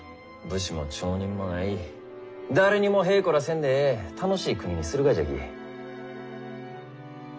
武士も町人もない誰にもへいこらせんでええ楽しい国にするがじゃき。